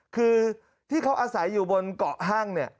คือที่เขาอาศัยอยู่บนเกาะห้างเนี่ย